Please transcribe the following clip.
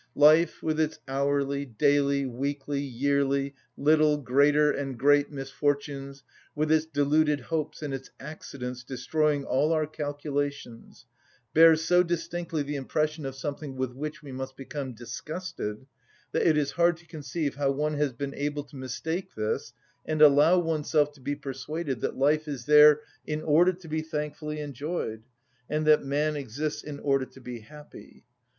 Life with its hourly, daily, weekly, yearly, little, greater, and great misfortunes, with its deluded hopes and its accidents destroying all our calculations, bears so distinctly the impression of something with which we must become disgusted, that it is hard to conceive how one has been able to mistake this and allow oneself to be persuaded that life is there in order to be thankfully enjoyed, and that man exists in order to be happy.